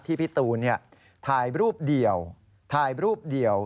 ที่พี่ตูนถ่ายรูปเดี่ยว